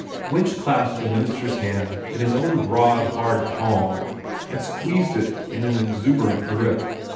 Winch clasped the minister's hand in his own broad, hard palm, and squeezed it in an exuberant grip.